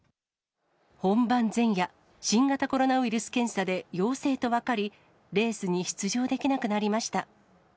本番前夜、新型コロナウイルス検査で陽性と分かり、レースに出場できなくなりました。